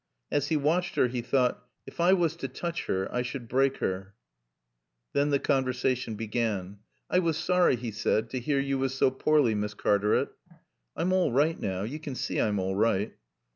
As he watched her he thought, "If I was to touch her I should break her." Then the conversation began. "I was sorry," he said, "to hear yo was so poorly, Miss Cartaret." "I'm all right now. You can see I'm all right."